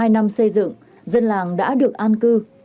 hai năm xây dựng dân làng đã được an cư